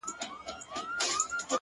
تر مرگه پوري هره شـــپــــــه را روان-